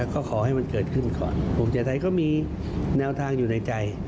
ก็ขอให้มันเกิดขึ้นก่อนภูมิใจไทยก็มีแนวทางอยู่ในใจ